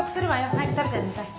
早く食べちゃいなさい。